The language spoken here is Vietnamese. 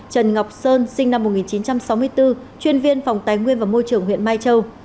trần ngọc sơn sinh năm một nghìn chín trăm sáu mươi bốn chuyên viên phòng tài nguyên và môi trường huyện mai châu